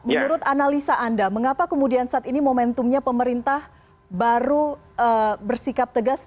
menurut analisa anda mengapa kemudian saat ini momentumnya pemerintah baru bersikap tegas